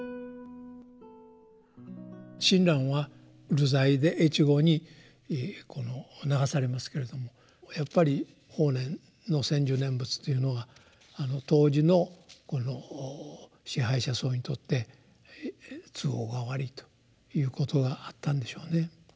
親鸞は流罪で越後に流されますけれどもやっぱり法然の専修念仏というのが当時の支配者層にとって都合が悪いということがあったんでしょうね。